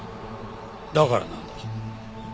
だからなんだ？